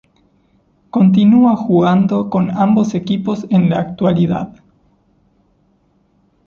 Continúa jugando con ambos equipos en la actualidad.